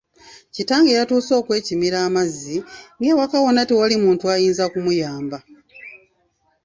Kitange yatuuse okwekimira amazzi ng'ewaka wonna tewali muntu ayinza kumuyamba.